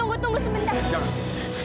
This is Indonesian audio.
tunggu tunggu sebentar